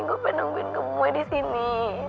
gue pengen nungguin kamu disini